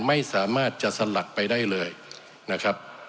ไม่สามารถจะสลัดไปได้เลยนะครับ